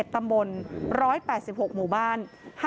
ตำบล๑๘๖หมู่บ้าน